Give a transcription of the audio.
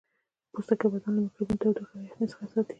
پوستکی بدن له میکروبونو تودوخې او یخنۍ څخه ساتي